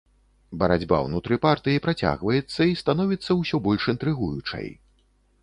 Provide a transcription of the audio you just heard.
Барацьба ўнутры партыі працягваецца і становіцца ўсё больш інтрыгуючай.